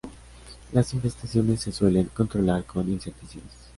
Las infestaciones se suelen controlar con insecticidas.